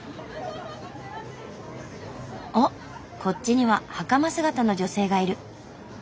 おっこっちにははかま姿の女性がいる。